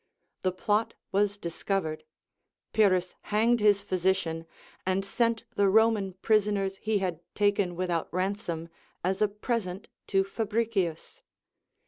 The plot was discov ered ; Pyrrhus hanged his physician, and sent the Roman prisoners he had taken Avithout ransom as a present to Fa bricius.